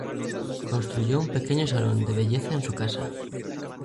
Construyó un pequeño salón de belleza en su casa.